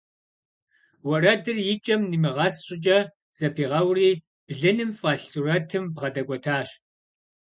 Уэрэдыр и кӀэм нимыгъэс щӀыкӀэ зэпигъэури, блыным фӀэлъ сурэтым бгъэдэкӀуэтащ.